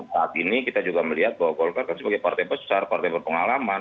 saat ini kita juga melihat bahwa golkar kan sebagai partai besar partai berpengalaman